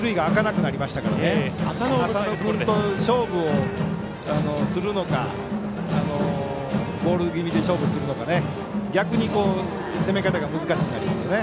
逆に一塁が空かなくなりましたから浅野君と勝負をするのかボール気味に勝負するか逆に攻め方が難しくなりますね。